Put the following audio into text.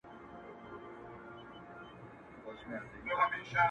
پر لمن د پسرلي به څاڅکي څاڅکي صدف اوري،